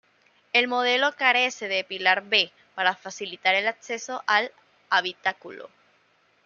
El modelo carece de pilar B, para facilitar el acceso al habitáculo.